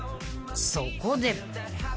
［そこで］